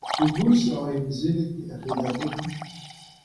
Pegoulz oc'h emezelet er redadeg-mañ ?